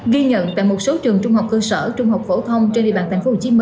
ghi nhận tại một số trường trung học cơ sở trung học phổ thông trên địa bàn tp hcm